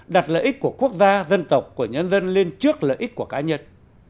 đặt lợi ích của quốc gia dân tộc của nhân dân lên trước lợi ích của cá nhân